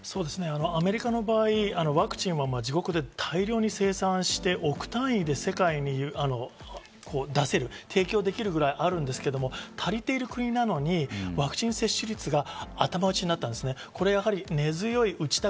アメリカの場合、自国で大量に生産して億単位で世界に出せる、提供できるくらいあるんですけど、足りている国なのにワクチン接種率が頭打ちになった。